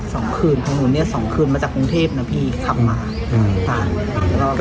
สองคืนของหนูเนี้ยสองคืนมาจากกรุงเทพนะพี่ขับมาอืมค่ะ